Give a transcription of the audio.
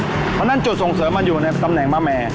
เพราะฉะนั้นจุดส่งเสริมมันอยู่ในตำแหน่งมะแม่